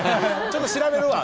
ちょっと調べるわ」